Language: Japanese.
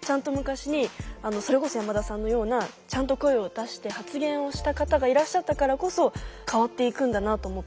ちゃんと昔にそれこそ山田さんのようなちゃんと声を出して発言をした方がいらっしゃったからこそ変わっていくんだなと思って。